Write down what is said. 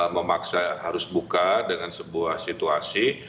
memaksa harus buka dengan sebuah situasi